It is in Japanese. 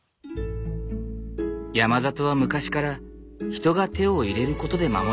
山里は昔から人が手を入れることで守られてきた。